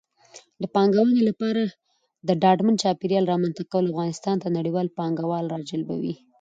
د پانګونې لپاره د ډاډمن چاپېریال رامنځته کول افغانستان ته نړیوال پانګوال راجلبوي.